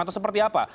atau seperti apa